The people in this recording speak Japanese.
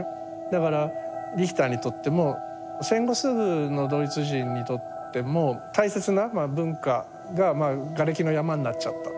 だからリヒターにとっても戦後すぐのドイツ人にとっても大切な文化ががれきの山になっちゃった。